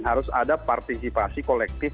harus ada partisipasi kolektif